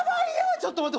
ちょっと待って。